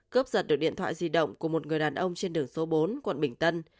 cướp giật được điện thoại di động của một người đàn ông trên đường số bốn quận bình tân